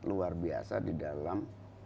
luar biasa di dalam